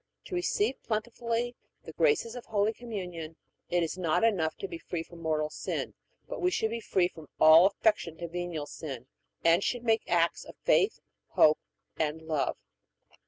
To receive plentifully the graces of Holy Communion it is not enough to be free from mortal sin, but we should be free from all affection to venial sin, and should make acts of faith, hope, and love.